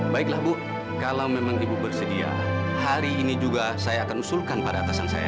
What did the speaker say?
baiklah bu kalau memang ibu bersedia hari ini juga saya akan usulkan pada atasan saya